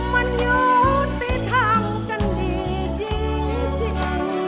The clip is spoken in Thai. มันอยู่ที่ทำกันดีจริงจริง